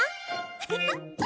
ウフフ！